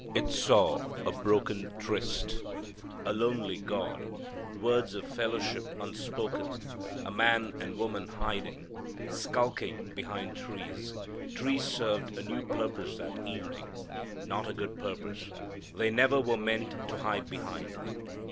It saw a broken tryst; a lonely God; words of fellowship unspoken. A man and woman hiding. Skulking behind trees. Trees served a new purpose that evening, not a good purpose. They never were meant to hide behind.